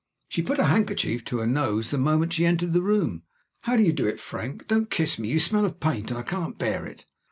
She put her handkerchief to her nose the moment she entered the room. "How do you do, Frank? Don't kiss me: you smell of paint, and I can't bear it."